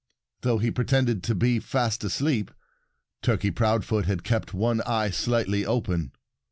Though he pretended to be fast asleep, Turkey Proudfoot had kept one eye slightly open.